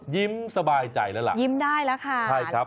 ยิ้มสบายใจแล้วล่ะยิ้มได้ล่ะค่ะ